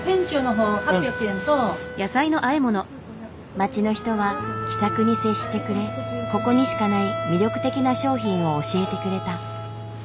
街の人は気さくに接してくれここにしかない魅力的な商品を教えてくれた。